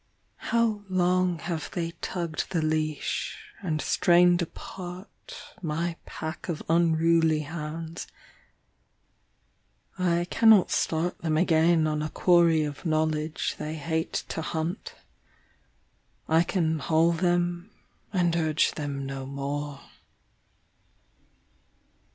How long have they tugged the leash, and strained apart My pack of unruly hounds: I cannot start Them again on a quarry of knowledge they hate to hunt, I can haul them and urge them no more.